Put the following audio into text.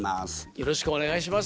よろしくお願いします。